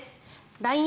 ＬＩＮＥ